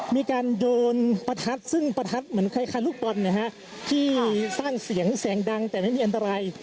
มีการโยนประทัดซึ่งประทัดเหมือนคล้ายลูกบอลนะฮะที่สร้างเสียงเสียงดังแต่ไม่มีอันตราย